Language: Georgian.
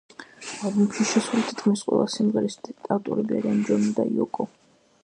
ალბომში შესული თითქმის ყველა სიმღერის ავტორები არიან ჯონი და იოკო.